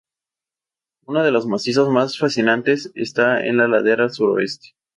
Uno de los macizos más fascinantes está en la ladera suroeste.